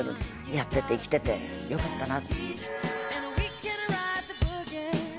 やってて生きててよかったな。